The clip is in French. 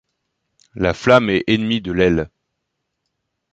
La flamme est ennemie de l’aile.